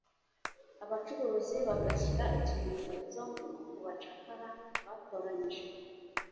abacuruzi bagashyira ikimenyetso ku bacakara batoranyije.